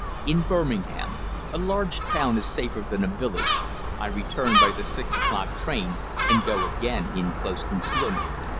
"In Birmingham. A large town is safer than a village. I return by the six o'clock train, and go again into close concealment."